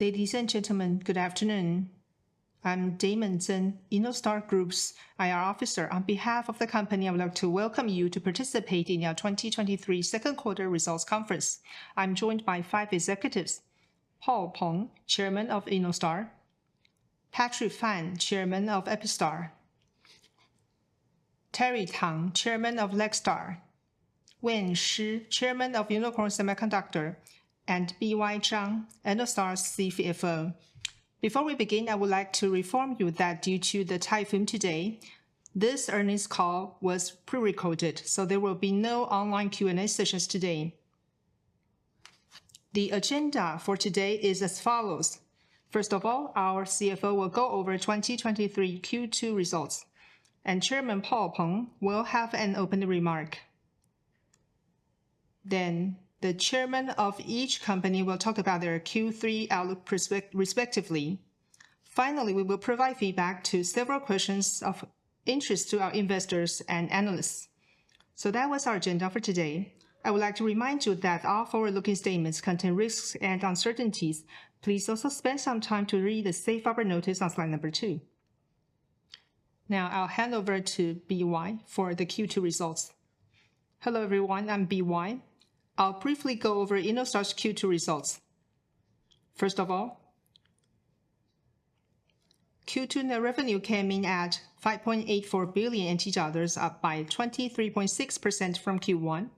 Ladies and gentlemen, good afternoon. I'm Damon Zeng, Ennostar Group's IR officer. On behalf of the company, I would like to welcome you to participate in our 2023 second quarter results conference. I'm joined by five executives: Paul Peng, Chairman of Ennostar; Patrick Fan, Chairman of EPISTAR; Terry Tang, Chairman of Lextar; Wei Shi, Chairman of Unikorn Semiconductor, and B.Y. Chang, Ennostar's CFO. Before we begin, I would like to inform you that due to the typhoon today, this earnings call was pre-recorded, so there will be no online Q&A sessions today. The agenda for today is as follows. First of all, our CFO will go over 2023 Q2 results, and Chairman Paul Peng will have an opening remark. The chairman of each company will talk about their Q3 outlook respectively. Finally, we will provide feedback to several questions of interest to our investors and analysts. That was our agenda for today. I would like to remind you that all forward-looking statements contain risks and uncertainties. Please also spend some time to read the safe harbor notice on slide two. I'll hand over to B.Y. for the Q2 results. Hello, everyone, I'm B.Y. I'll briefly go over Ennostar's Q2 results. First of all, Q2 net revenue came in at 5.84 billion NT dollars, up by 23.6% from Q1,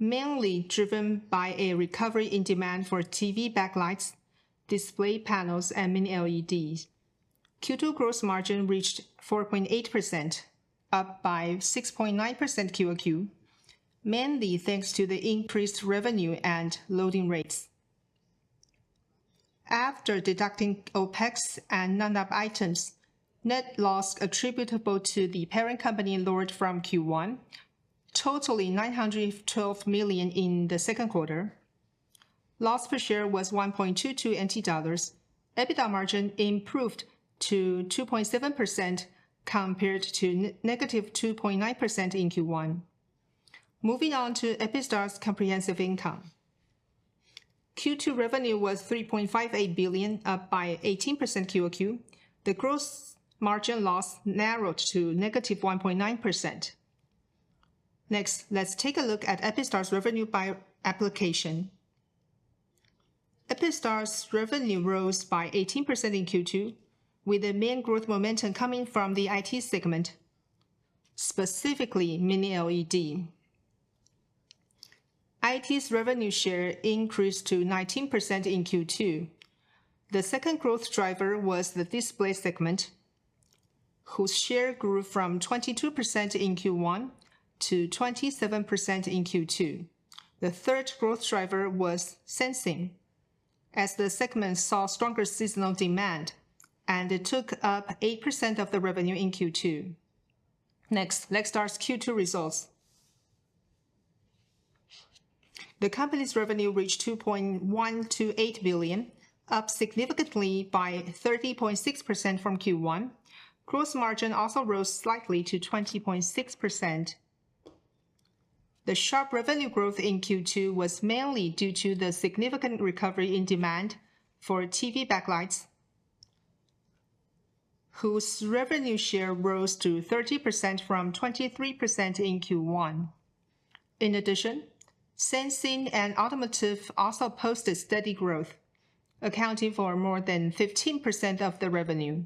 mainly driven by a recovery in demand for TV backlights, display panels, and mini-LEDs. Q2 gross margin reached 4.8%, up by 6.9% QoQ, mainly thanks to the increased revenue and loading rates. After deducting OpEx and non-GAAP items, net loss attributable to the parent company lowered from Q1, totaling 912 million in the second quarter. Loss per share was 1.22 NT dollars. EBITDA margin improved to 2.7% compared to -2.9% in Q1. Moving on to EPISTAR's comprehensive income. Q2 revenue was 3.58 billion, up by 18% QoQ. The gross margin loss narrowed to -1.9%. Next, let's take a look at EPISTAR's revenue by application. EPISTAR's revenue rose by 18% in Q2, with the main growth momentum coming from the IT segment, specifically mini-LED. IT's revenue share increased to 19% in Q2. The second growth driver was the Display segment, whose share grew from 22% in Q1 to 27% in Q2. The third growth driver was Sensing, as the segment saw stronger seasonal demand, and it took up 8% of the revenue in Q2. Next, Lextar's Q2 results. The company's revenue reached 2.128 billion, up significantly by 30.6% from Q1. Gross margin also rose slightly to 20.6%. The sharp revenue growth in Q2 was mainly due to the significant recovery in demand for TV backlights, whose revenue share rose to 30% from 23% in Q1. In addition, Sensing and automotive also posted steady growth, accounting for more than 15% of the revenue.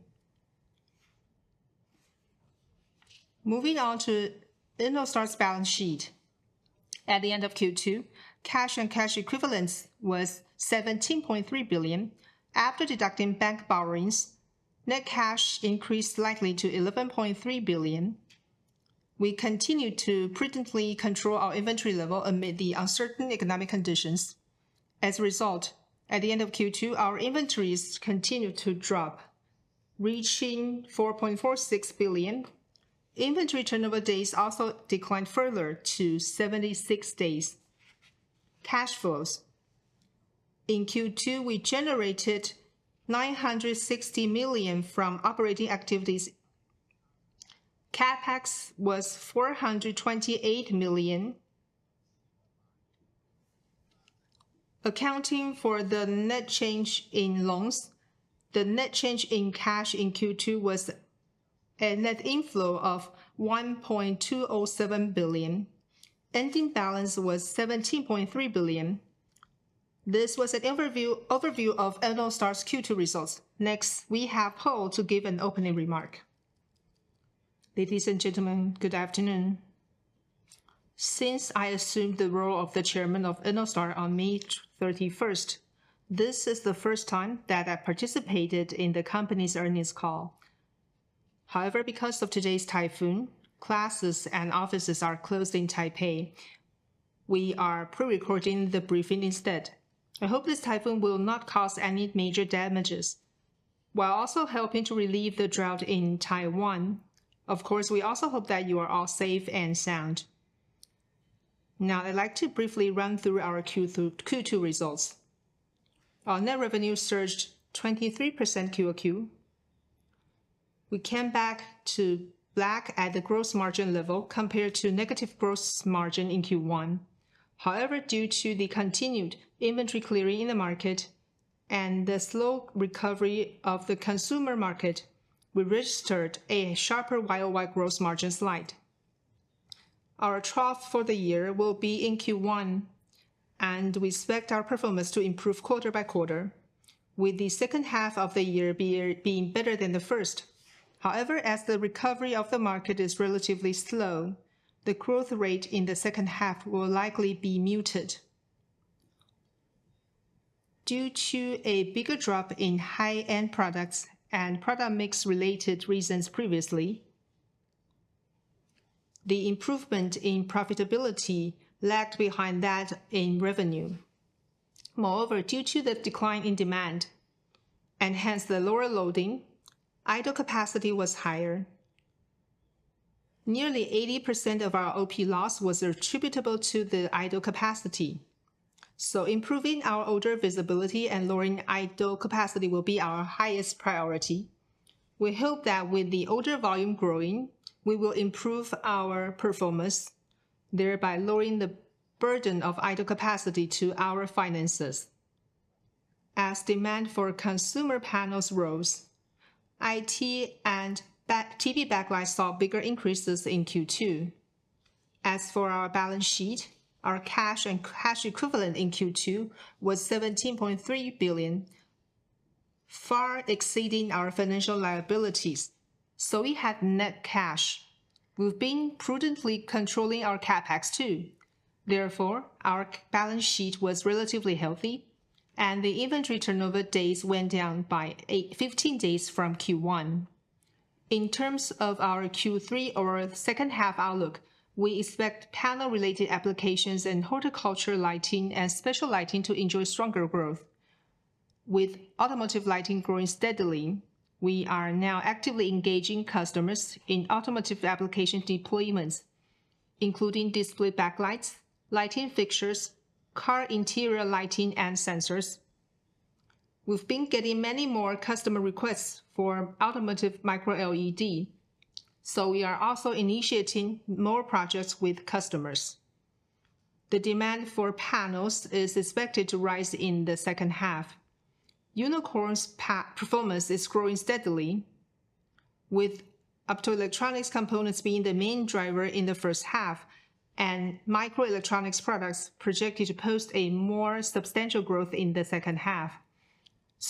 Moving on to Ennostar's balance sheet. At the end of Q2, cash and cash equivalents was 17.3 billion. After deducting bank borrowings, net cash increased slightly to 11.3 billion. We continued to prudently control our inventory level amid the uncertain economic conditions. As a result, at the end of Q2, our inventories continued to drop, reaching 4.46 billion. Inventory turnover days also declined further to 76 days. Cash flows. In Q2, we generated 960 million from operating activities. CapEx was 428 million. Accounting for the net change in loans, the net change in cash in Q2 was a net inflow of 1.207 billion. Ending balance was 17.3 billion. This was an overview of Ennostar's Q2 results. Next, we have Paul to give an opening remark. Ladies and gentlemen, good afternoon. Since I assumed the role of the Chairman of Ennostar on May 31st, this is the first time that I participated in the company's earnings call. Because of today's typhoon, classes and offices are closed in Taipei. We are pre-recording the briefing instead. I hope this typhoon will not cause any major damages, while also helping to relieve the drought in Taiwan. Of course, we also hope that you are all safe and sound. Now, I'd like to briefly run through our Q2 results. Our net revenue surged 23% QoQ. We came back to black at the gross margin level compared to negative gross margin in Q1. Due to the continued inventory clearing in the market and the slow recovery of the consumer market, we registered a sharper year-over-year gross margin slide. Our trough for the year will be in Q1, and we expect our performance to improve quarter by quarter, with the second half of the year being better than the first. As the recovery of the market is relatively slow, the growth rate in the second half will likely be muted. Due to a bigger drop in high-end products and product mix related reasons previously, the improvement in profitability lagged behind that in revenue. Moreover, due to the decline in demand and hence the lower loading, idle capacity was higher. Nearly 80% of our OP loss was attributable to the idle capacity. Improving our order visibility and lowering idle capacity will be our highest priority. We hope that with the order volume growing, we will improve our performance, thereby lowering the burden of idle capacity to our finances. As demand for consumer panels rose, IT and TV backlights saw bigger increases in Q2. As for our balance sheet, our cash and cash equivalent in Q2 was 17.3 billion, far exceeding our financial liabilities, so we had net cash. We've been prudently controlling our CapEx too. Therefore, our balance sheet was relatively healthy, and the inventory turnover days went down by 15 days from Q1. In terms of our Q3 or second half outlook, we expect panel-related applications and horticulture lighting and special lighting to enjoy stronger growth. With automotive lighting growing steadily, we are now actively engaging customers in automotive application deployments, including display backlights, lighting fixtures, car interior lighting, and sensors. We've been getting many more customer requests for automotive micro-LED, so we are also initiating more projects with customers. The demand for panels is expected to rise in the second half. Unikorn's performance is growing steadily, with optoelectronic components being the main driver in the first half, and microelectronics products projected to post a more substantial growth in the second half.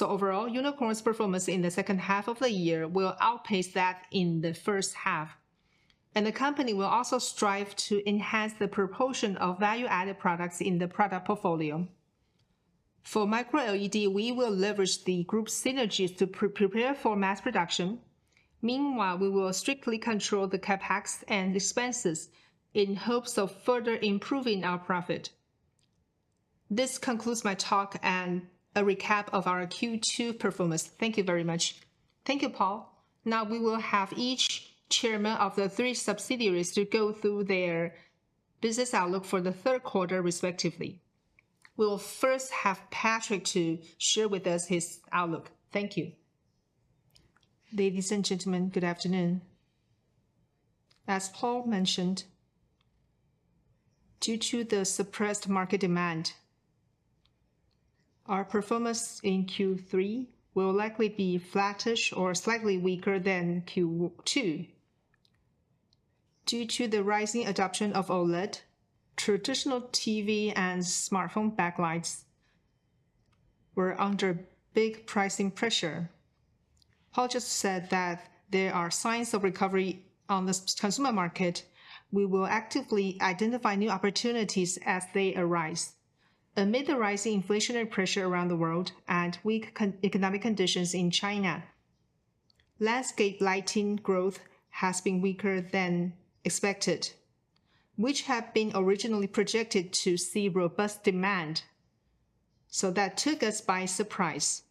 Overall, Unikorn's performance in the second half of the year will outpace that in the first half, and the company will also strive to enhance the proportion of value-added products in the product portfolio. For micro-LED, we will leverage the group synergies to pre-prepare for mass production. Meanwhile, we will strictly control the CapEx and expenses in hopes of further improving our profit. This concludes my talk and a recap of our Q2 performance. Thank you very much. Thank you, Paul. Now, we will have each chairman of the three subsidiaries to go through their business outlook for the third quarter, respectively. We'll first have Patrick to share with us his outlook. Thank you. Ladies and gentlemen, good afternoon. As Paul mentioned, due to the suppressed market demand, our performance in Q3 will likely be flattish or slightly weaker than Q2. Due to the rising adoption of OLED, traditional TV and smartphone backlights were under big pricing pressure. Paul just said that there are signs of recovery on the consumer market. We will actively identify new opportunities as they arise. Amid the rising inflationary pressure around the world and weak economic conditions in China, landscape lighting growth has been weaker than expected, which have been originally projected to see robust demand, so that took us by surprise.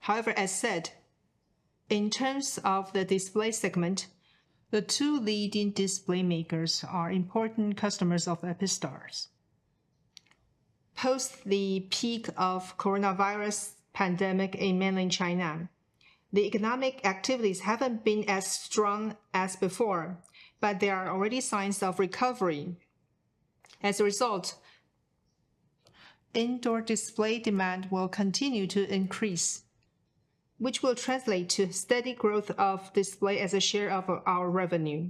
However, as said, in terms of the Display segment, the two leading display makers are important customers of EPISTAR's. Post the peak of coronavirus pandemic in mainland China, the economic activities haven't been as strong as before, but there are already signs of recovery. As a result, indoor display demand will continue to increase, which will translate to steady growth of display as a share of our revenue.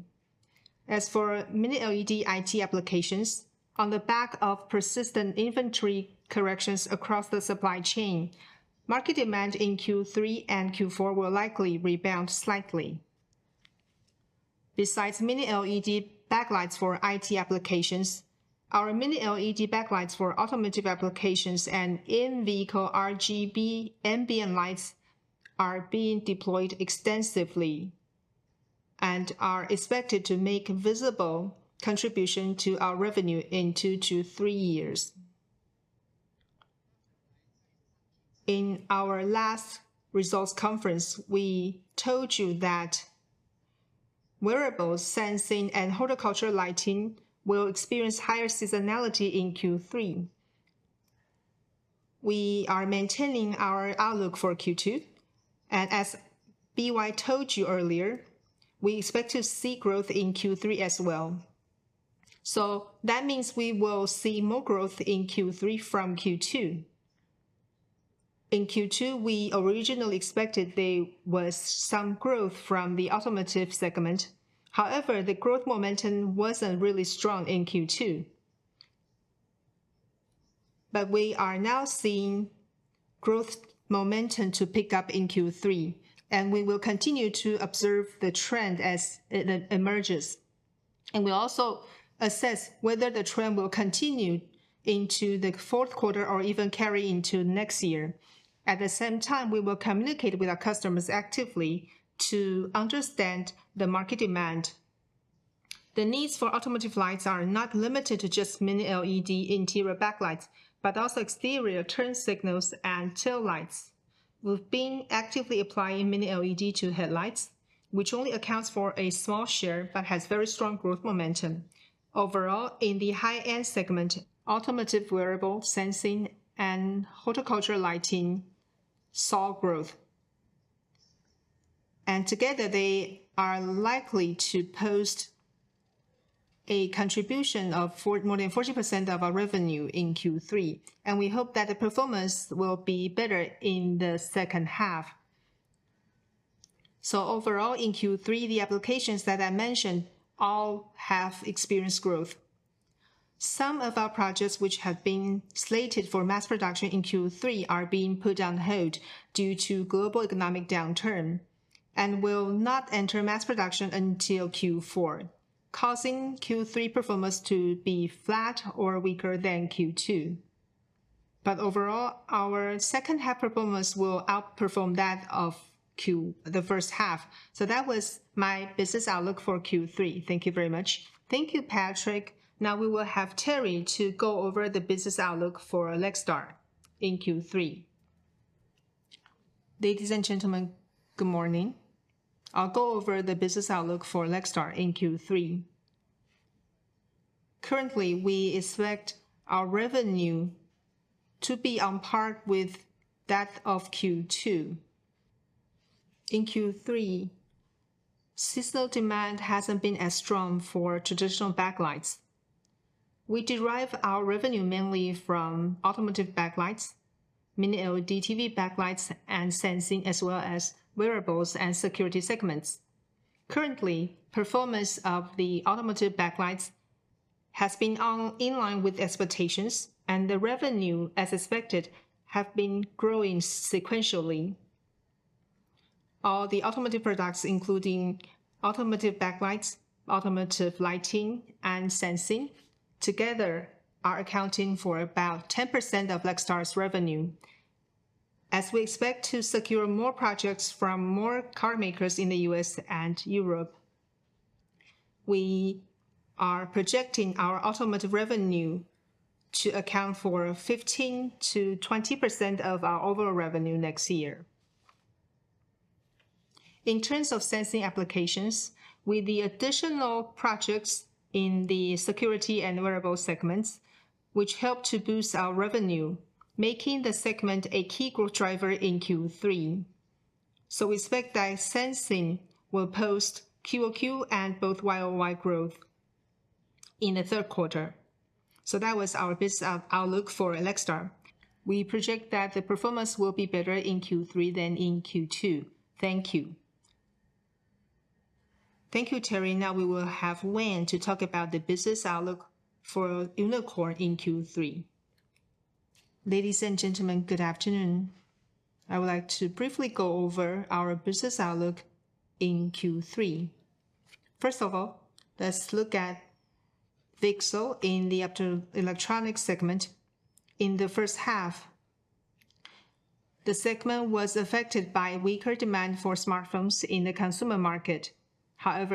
As for mini-LED IT applications, on the back of persistent inventory corrections across the supply chain, market demand in Q3 and Q4 will likely rebound slightly. Besides mini-LED backlights for IT applications, our mini-LED backlights for automotive applications and in-vehicle RGB ambient lights are being deployed extensively and are expected to make visible contribution to our revenue in two to three years. In our last results conference, we told you that wearables, sensing, and horticulture lighting will experience higher seasonality in Q3. We are maintaining our outlook for Q2, and as B.Y. told you earlier, we expect to see growth in Q3 as well. That means we will see more growth in Q3 from Q2. In Q2, we originally expected there was some growth from the automotive segment. However, the growth momentum wasn't really strong in Q2. We are now seeing growth momentum to pick up in Q3. We will continue to observe the trend as it emerges. We'll also assess whether the trend will continue into the fourth quarter or even carry into next year. At the same time, we will communicate with our customers actively to understand the market demand. The needs for automotive lights are not limited to just mini-LED interior backlights, but also exterior turn signals and tail lights. We've been actively applying mini-LED to headlights, which only accounts for a small share, but has very strong growth momentum. Overall, in the high-end segment, automotive wearables, Sensing, and horticulture lighting saw growth. Together, they are likely to post a contribution of more than 40% of our revenue in Q3, and we hope that the performance will be better in the second half. Overall, in Q3, the applications that I mentioned all have experienced growth. Some of our projects which have been slated for mass production in Q3 are being put on hold due to global economic downturn, and will not enter mass production until Q4, causing Q3 performance to be flat or weaker than Q2. Overall, our second half performance will outperform that of the first half. That was my business outlook for Q3. Thank you very much. Thank you, Patrick. Now we will have Terry to go over the business outlook for Lextar in Q3. Ladies and gentlemen, good morning. I'll go over the business outlook for Lextar in Q3. Currently, we expect our revenue to be on par with that of Q2. In Q3, system demand hasn't been as strong for traditional backlights. We derive our revenue mainly from automotive backlights, mini-LED TV backlights, and Sensing, as well as wearables and security segments. Currently, performance of the automotive backlights has been on inline with expectations, and the revenue, as expected, have been growing sequentially. All the automotive products, including automotive backlights, automotive lighting, and Sensing, together are accounting for about 10% of Lextar's revenue. As we expect to secure more projects from more car makers in the U.S. and Europe, we are projecting our automotive revenue to account for 15%-20% of our overall revenue next year. In terms of Sensing applications, with the additional projects in the security and wearable segments, which help to boost our revenue, making the segment a key growth driver in Q3. We expect that Sensing will post QoQ and both YoY growth in the third quarter. That was our outlook for Lextar. We project that the performance will be better in Q3 than in Q2. Thank you. Thank you, Terry. Now we will have Wei to talk about the business outlook for Unikorn in Q3. Ladies and gentlemen, good afternoon. I would like to briefly go over our business outlook in Q3. First of all, let's look at VCSEL in the Optoelectronics segment. In the first half, the segment was affected by weaker demand for smartphones in the consumer market.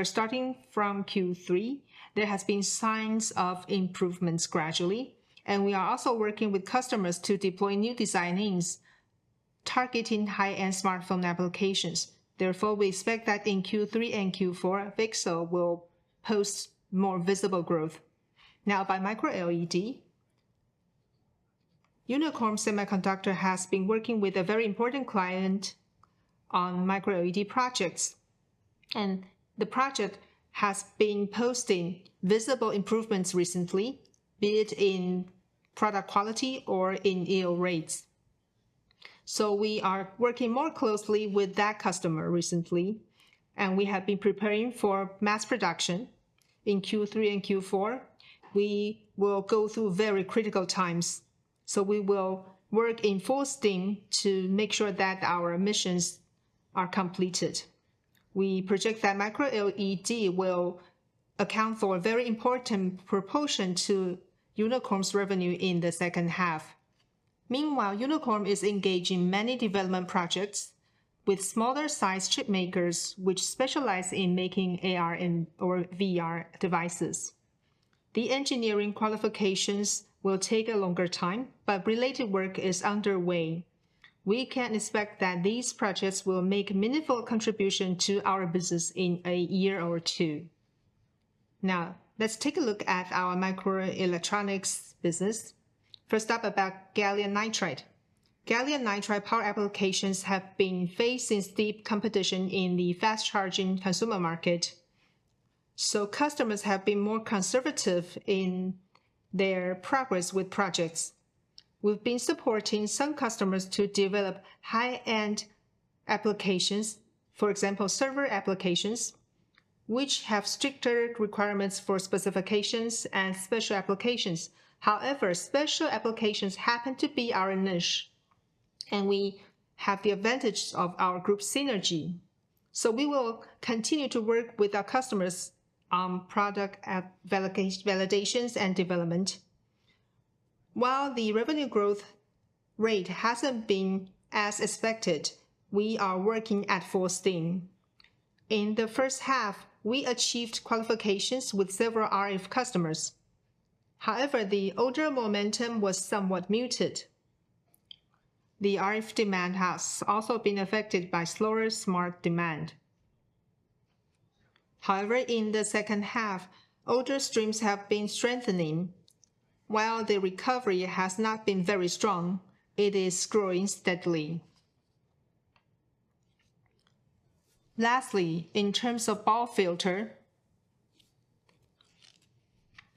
Starting from Q3, there has been signs of improvements gradually, and we are also working with customers to deploy new designs targeting high-end smartphone applications. We expect that in Q3 and Q4, VCSEL will post more visible growth. Now, by micro-LED, Unikorn Semiconductor has been working with a very important client on micro-LED projects, and the project has been posting visible improvements recently, be it in product quality or in yield rates. We are working more closely with that customer recently, and we have been preparing for mass production in Q3 and Q4. We will go through very critical times, so we will work in full steam to make sure that our missions are completed. We project that micro-LED will account for a very important proportion to Unikorn's revenue in the second half. Unikorn is engaged in many development projects with smaller-sized chip makers, which specialize in making AR and/or VR devices. The engineering qualifications will take a longer time, but related work is underway. We can expect that these projects will make meaningful contribution to our business in a year or two. Now, let's take a look at our microelectronics business. First up, about gallium nitride. Gallium nitride power applications have been facing steep competition in the fast-charging consumer market, so customers have been more conservative in their progress with projects. We've been supporting some customers to develop high-end applications, for example, server applications, which have stricter requirements for specifications and special applications. However, special applications happen to be our niche, and we have the advantage of our group synergy. So we will continue to work with our customers on product validations and development. While the revenue growth rate hasn't been as expected, we are working at full steam. In the first half, we achieved qualifications with several RF customers. However, the order momentum was somewhat muted. The RF demand has also been affected by slower smart demand. However, in the second half, order streams have been strengthening. While the recovery has not been very strong, it is growing steadily. In terms of BAW filter,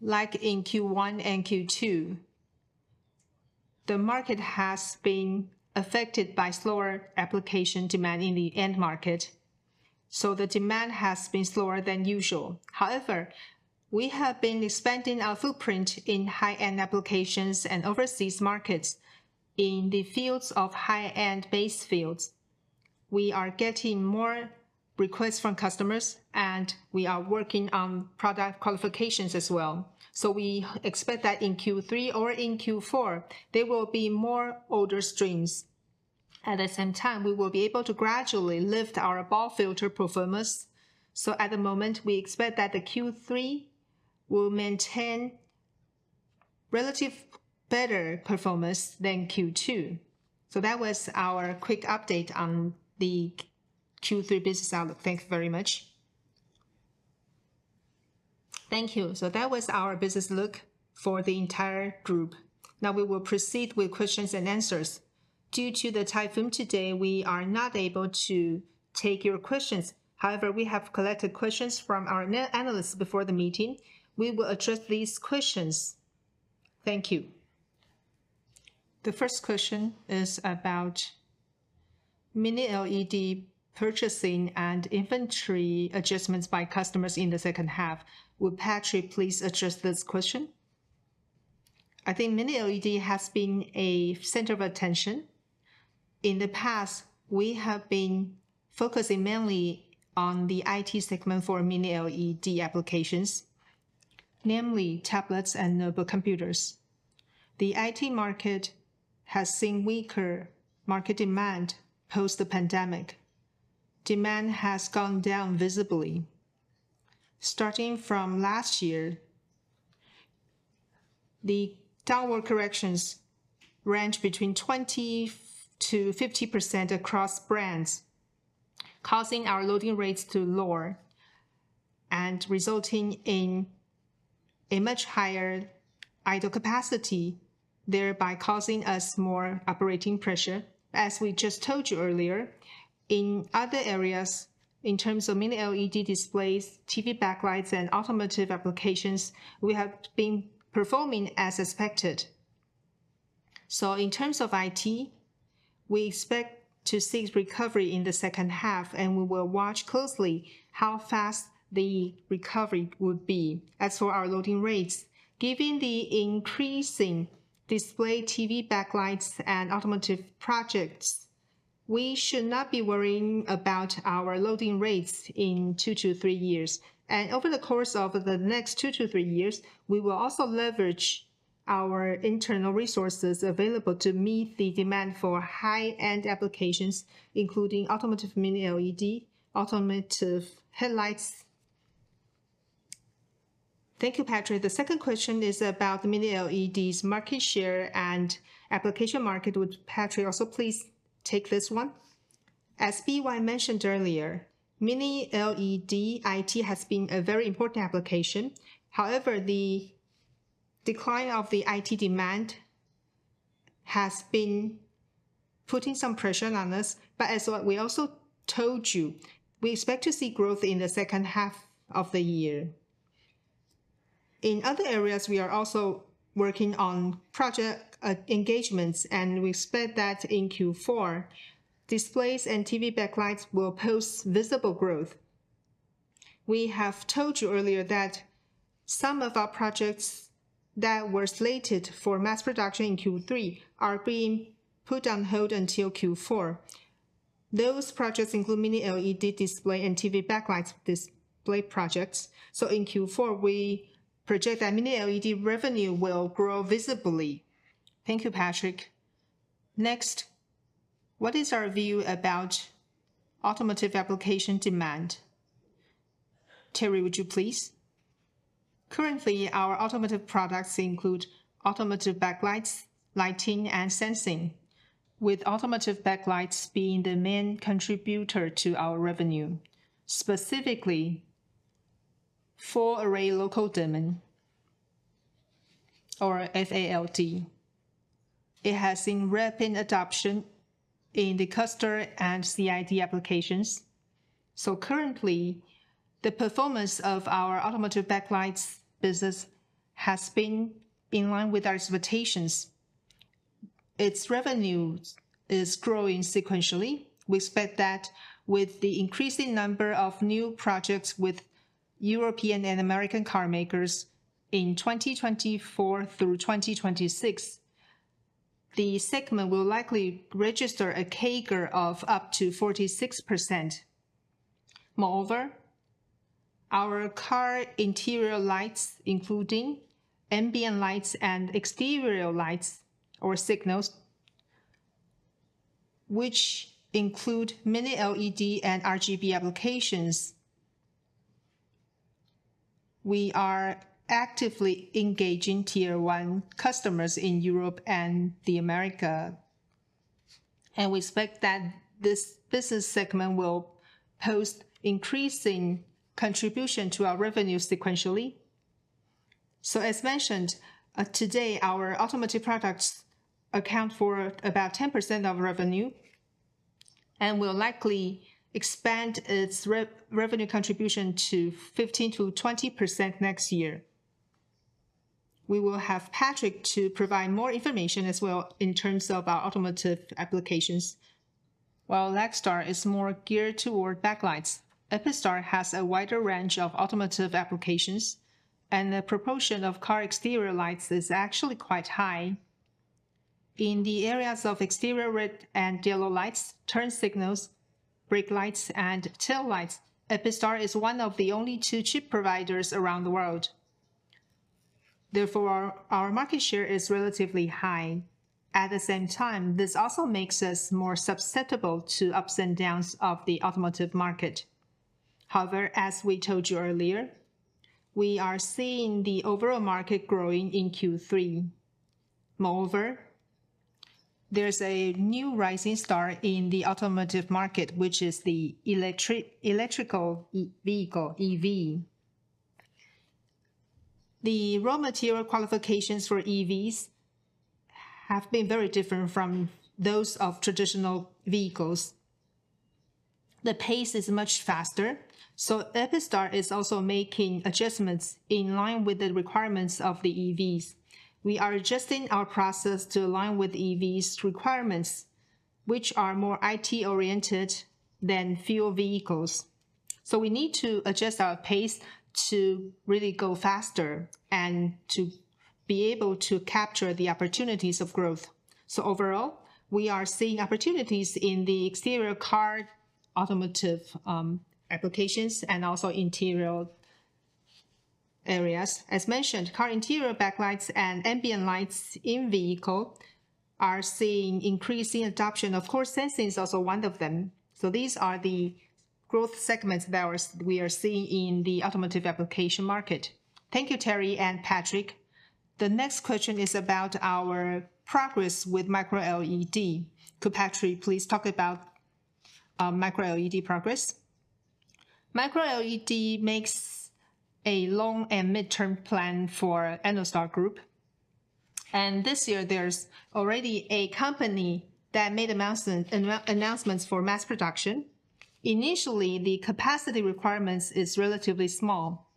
like in Q1 and Q2, the market has been affected by slower application demand in the end market, the demand has been slower than usual. We have been expanding our footprint in high-end applications and overseas markets. In the fields of high-end base fields, we are getting more requests from customers, we are working on product qualifications as well. We expect that in Q3 or in Q4, there will be more order streams. At the same time, we will be able to gradually lift our BAW filter performance. At the moment, we expect that the Q3 will maintain relative better performance than Q2. That was our quick update on the Q3 business outlook. Thank you very much. Thank you. That was our business look for the entire group. Now we will proceed with questions and answers. Due to the typhoon today, we are not able to take your questions. However, we have collected questions from our analysts before the meeting. We will address these questions. Thank you. The first question is about mini-LED purchasing and inventory adjustments by customers in the second half. Would Patrick please address this question? I think mini-LED has been a center of attention. In the past, we have been focusing mainly on the IT segment for mini-LED applications, namely tablets and notebook computers. The IT market has seen weaker market demand post the pandemic. Demand has gone down visibly. Starting from last year, the downward corrections range between 20%-50% across brands, causing our loading rates to lower and resulting in a much higher idle capacity, thereby causing us more operating pressure. As we just told you earlier, in other areas, in terms of mini-LED displays, TV backlights, and automotive applications, we have been performing as expected. In terms of IT, we expect to see recovery in the second half, and we will watch closely how fast the recovery would be. As for our loading rates, given the increasing display TV backlights and automotive projects, we should not be worrying about our loading rates in two to three years. Over the course of the next two to three years, we will also leverage our internal resources available to meet the demand for high-end applications, including automotive mini-LED, automotive headlights. Thank you, Patrick. The second question is about the mini-LED's market share and application market. Would Patrick also please take this one? As B.Y. mentioned earlier, mini-LED IT has been a very important application. The decline of the IT demand has been putting some pressure on us. As what we also told you, we expect to see growth in the second half of the year. In other areas, we are also working on project engagements, and we expect that in Q4, displays and TV backlights will post visible growth. We have told you earlier that some of our projects that were slated for mass production in Q3 are being put on hold until Q4. Those projects include mini-LED display and TV Backlight display projects. In Q4, we project that mini-LED revenue will grow visibly. Thank you, Patrick. Next? What is our view about automotive application demand? Terry, would you please? Currently, our automotive products include automotive backlights, lighting, and Sensing, with automotive backlights being the main contributor to our revenue. Specifically, four array local dimming, or FALD. It has seen rapid adoption in the cluster and CID applications. Currently, the performance of our automotive backlights business has been in line with our expectations. Its revenue is growing sequentially. We expect that with the increasing number of new projects with European and American car makers in 2024-2026, the segment will likely register a CAGR of up to 46%. Moreover, our car interior lighting, including ambient lights and exterior lights or signals, which include mini-LED and RGB applications, we are actively engaging tier one customers in Europe and the America, and we expect that this business segment will post increasing contribution to our revenue sequentially. As mentioned, today, our automotive products account for about 10% of revenue and will likely expand its revenue contribution to 15%-20% next year. We will have Patrick to provide more information as well in terms of our automotive applications. While Lextar is more geared toward backlights, EPISTAR has a wider range of automotive applications, and the proportion of car exterior lights is actually quite high. In the areas of exterior red and yellow lights, turn signals, brake lights, and tail lights, EPISTAR is one of the only two chip providers around the world. Therefore, our market share is relatively high. At the same time, this also makes us more susceptible to ups and downs of the automotive market. However, as we told you earlier, we are seeing the overall market growing in Q3. Moreover, there's a new rising star in the automotive market, which is the electrical e-vehicle, EV. The raw material qualifications for EVs have been very different from those of traditional vehicles. The pace is much faster. EPISTAR is also making adjustments in line with the requirements of the EVs. We are adjusting our process to align with EVs' requirements, which are more IT-oriented than fuel vehicles. We need to adjust our pace to really go faster and to be able to capture the opportunities of growth. Overall, we are seeing opportunities in the exterior car, automotive applications and also interior areas. As mentioned, car interior backlights and ambient lights in vehicle are seeing increasing adoption. Of course, Sensing is also one of them. These are the growth segments that we are seeing in the automotive application market. Thank you, Terry and Patrick. The next question is about our progress with micro-LED. Could Patrick, please talk about micro-LED progress? Micro-LED makes a long and midterm plan for EPISTAR Group, and this year there's already a company that made announcements for mass production. Initially, the capacity requirements is relatively small,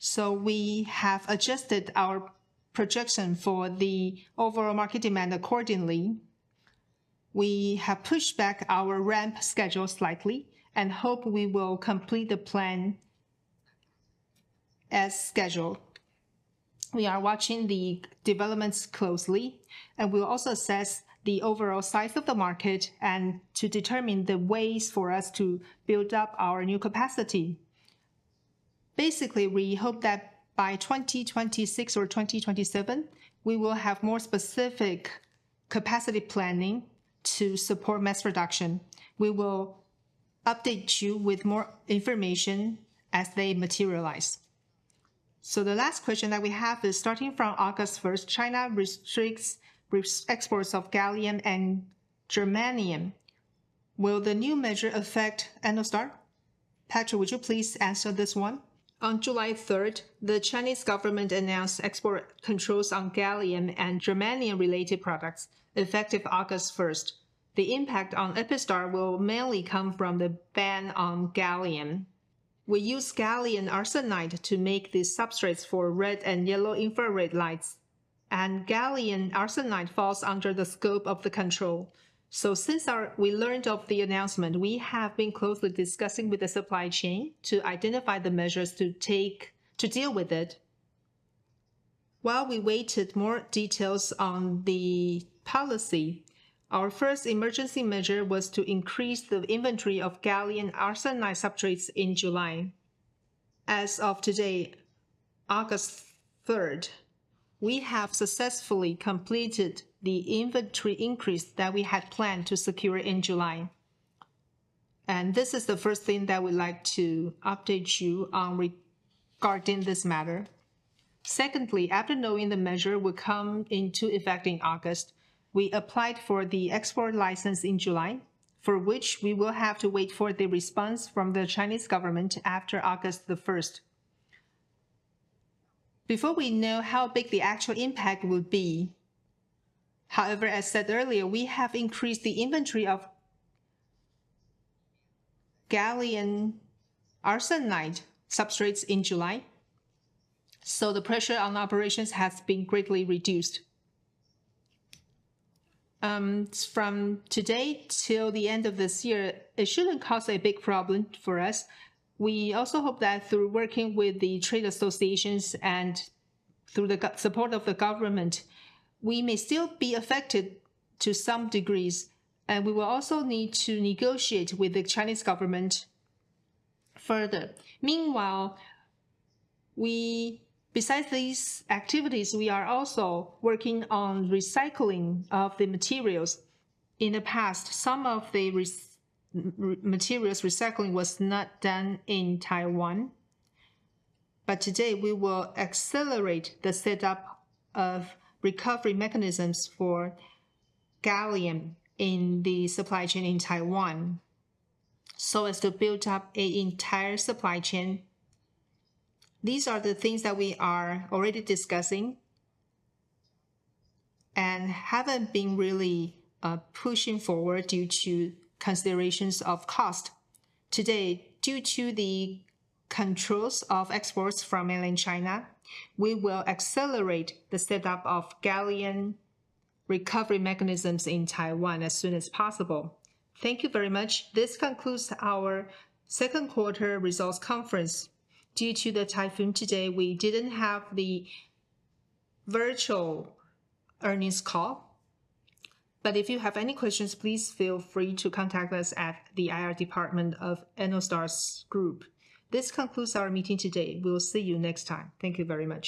so we have adjusted our projection for the overall market demand accordingly. We have pushed back our ramp schedule slightly and hope we will complete the plan as scheduled. We are watching the developments closely, and we'll also assess the overall size of the market and to determine the ways for us to build up our new capacity. Basically, we hope that by 2026 or 2027, we will have more specific capacity planning to support mass production. We will update you with more information as they materialize. The last question that we have is, starting from August 1st, China restricts exports of gallium and germanium. Will the new measure affect EPISTAR? Patrick, would you please answer this one? On July 3rd, the Chinese government announced export controls on gallium and germanium-related products, effective August 1st. The impact on EPISTAR will mainly come from the ban on gallium. We use gallium arsenide to make the substrates for red and yellow infrared lights, and gallium arsenide falls under the scope of the control. Since we learned of the announcement, we have been closely discussing with the supply chain to identify the measures to take to deal with it. While we waited more details on the policy, our first emergency measure was to increase the inventory of gallium arsenide substrates in July. As of today, August 3rd, we have successfully completed the inventory increase that we had planned to secure in July. This is the first thing that we'd like to update you on regarding this matter. Secondly, after knowing the measure would come into effect in August, we applied for the export license in July, for which we will have to wait for the response from the Chinese government after August 1st. Before we know how big the actual impact will be, however, as said earlier, we have increased the inventory of gallium arsenide substrates in July, so the pressure on operations has been greatly reduced. From today till the end of this year, it shouldn't cause a big problem for us. We also hope that through working with the trade associations and through the support of the government, we may still be affected to some degrees, and we will also need to negotiate with the Chinese government further. Meanwhile, besides these activities, we are also working on recycling of the materials. In the past, some of the materials recycling was not done in Taiwan, but today we will accelerate the setup of recovery mechanisms for gallium in the supply chain in Taiwan, so as to build up an entire supply chain. These are the things that we are already discussing and haven't been really pushing forward due to considerations of cost. Today, due to the controls of exports from mainland China, we will accelerate the setup of gallium recovery mechanisms in Taiwan as soon as possible. Thank you very much. This concludes our second quarter results conference. Due to the typhoon today, we didn't have the virtual earnings call, but if you have any questions, please feel free to contact us at the IR department of Ennostar's Group. This concludes our meeting today. We will see you next time. Thank you very much.